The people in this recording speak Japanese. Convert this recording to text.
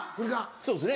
そうですね。